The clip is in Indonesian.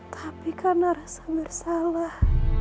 tapi karena rasa bersalah